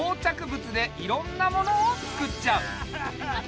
ぶつでいろんなものをつくっちゃう。